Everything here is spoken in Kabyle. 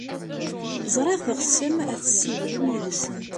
Ẓriɣ teɣsem ad tessiwlem yid-sent.